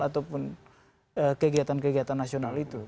ataupun kegiatan kegiatan nasional itu